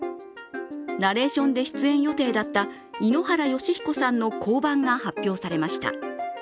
ナレーションで出演予定だった井ノ原快彦さんの降板が発表されました。